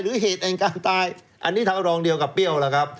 หรือเหตุเองการตายอันนี้ทำลองเดียวกับเปรี้ยวแหละครับ